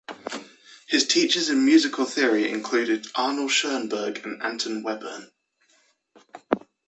His teachers in musical theory included Arnold Schoenberg and Anton Webern.